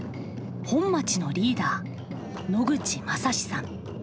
本町のリーダー野口雅史さん。